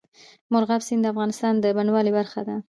مورغاب سیند د افغانستان د بڼوالۍ برخه ده.